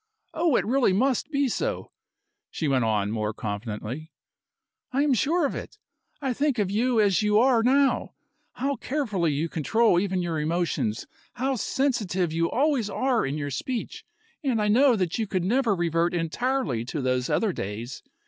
Oh, it really must be so!" she went on, more confidently. "I am sure of it. I think of you as you are now, how carefully you control even your emotions, how sensitive you always are in your speech, and I know that you could never revert entirely to those other days.